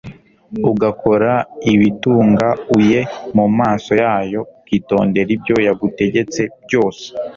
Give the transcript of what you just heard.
ugakora ibitungauye mu maso yayo, ukitondera ibyo yagutegetse byose,